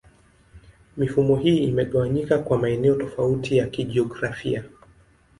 Mifumo hii imegawanyika kwa maeneo tofauti ya kijiografia.